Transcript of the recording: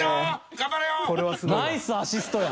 ナイスアシストや！